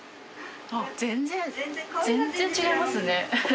全然全然違いますね。